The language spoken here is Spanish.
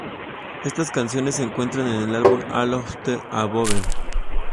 Estas canciones se encuentran en el álbum "All of the above".